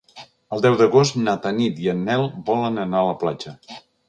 El deu d'agost na Tanit i en Nel volen anar a la platja.